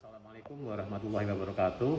assalamualaikum warahmatullahi wabarakatuh